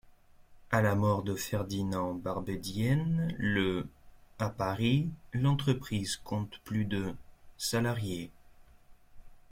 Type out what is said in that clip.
À la mort de Ferdinand Barbedienne, le à Paris, l'entreprise compte plus de salariés.